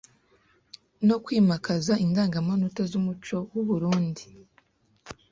no kwimakaza indangamanota z’umuco w’u Burunndi